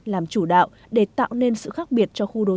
làm chủ đạo để tạo nên sự khác biệt